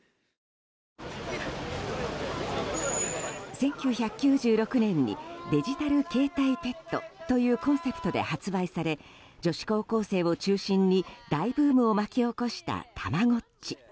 １９９６年にデジタル携帯ペットというコンセプトで発売され女子高校生を中心に大ブームを巻き起こしたたまごっち。